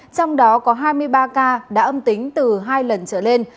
trong đó có hai mươi ba ca đã âm tính từ hai lần trở lên